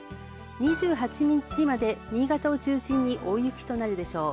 ２８日まで新潟を中心に大雪となるでしょう。